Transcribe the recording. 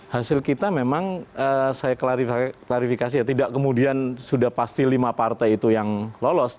hasil kita memang saya klarifikasi ya tidak kemudian sudah pasti lima partai itu yang lolos